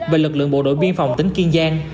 về lực lượng bộ đội biên phòng tỉnh kiên giang